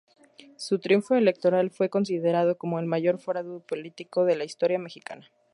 Su triunfo electoral fue considerado como el mayor fraude político de la historia mexicana.